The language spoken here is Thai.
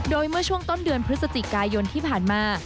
โดยเมื่อช่วงต้นเดือนพฤศจิกายนที่ผ่านมา